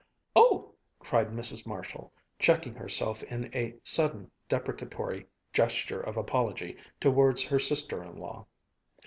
"Oh!" cried Mrs. Marshall, checking herself in a sudden deprecatory gesture of apology towards her sister in law.